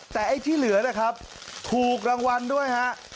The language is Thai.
แต่ไอ้ที่เหลือนะครับถูกรางวัลด้วยฮะ